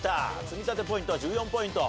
積み立てポイントは１４ポイント。